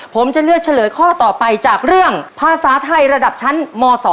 ผมจะเลือกเฉลยข้อต่อไปจากเรื่องภาษาไทยระดับชั้นม๒